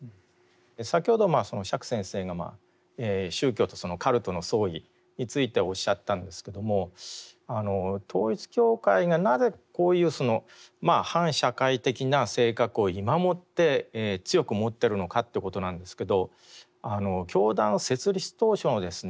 先ほど釈先生が宗教とカルトの相違についておっしゃったんですけども統一教会がなぜこういう反社会的な性格を今もって強く持っているのかっていうことなんですけど教団設立当初のですね